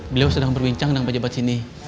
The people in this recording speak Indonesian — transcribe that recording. beliau sedang berbincang dengan pejabat sini